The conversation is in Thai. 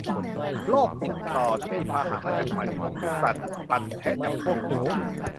โรคติดต่อที่มีพาหะมาจากหมัดของสัตว์ฟันแทะจำพวกหนู